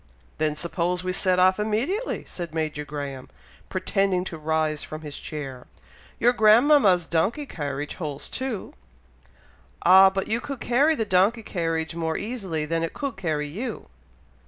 "Then suppose we set off immediately!" said Major Graham, pretending to rise from his chair. "Your grandmama's donkey carriage holds two." "Ah! but you could carry the donkey carriage more easily than it could carry you!"